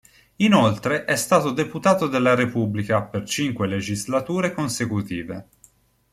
Inoltre è stato Deputato della Repubblica per cinque legislature consecutive.